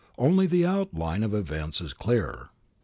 Only the main outline of events is clear.